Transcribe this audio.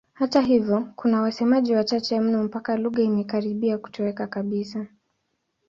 Hata hivyo kuna wasemaji wachache mno mpaka lugha imekaribia kutoweka kabisa.